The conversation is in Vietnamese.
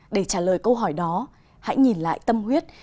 để trả lời câu hỏi đó hãy nhìn lại tâm huyết